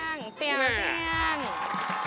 เตี๋ยวเชียด